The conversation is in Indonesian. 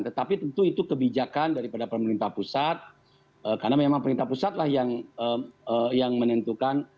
tetapi tentu itu kebijakan dari pemerintah pusat karena memang pemerintah pusat yang menentukan